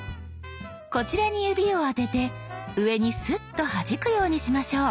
こちらに指を当てて上にスッとはじくようにしましょう。